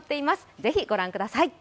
ぜひ、ご覧ください。